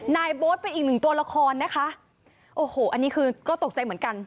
นายโบ๊ทเป็นอีกหนึ่งตัวละครนะคะโอ้โหอันนี้คือก็ตกใจเหมือนกัน